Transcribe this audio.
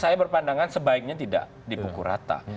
saya berpandangan sebaiknya tidak dipukul rata